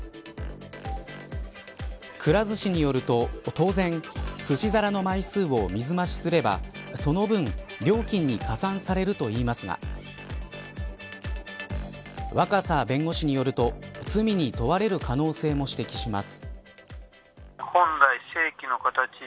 くら寿司によると当然すし皿の枚数を水増しすればその分、料金に加算されるといいますが若狭弁護士によると罪に問われる可能性も指摘します。